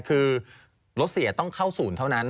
คือรถเสียต้องเข้าศูนย์เท่านั้น